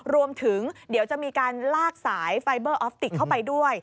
รวมถึงเดี๋ยวจะมีการลากสายไฟเบอร์ออฟติกเข้าไปด้วย